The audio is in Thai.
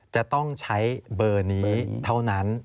จะต้องใช้เบอร์นี้เท่านั้น